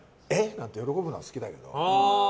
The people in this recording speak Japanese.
なんて喜ぶのは好きだけど。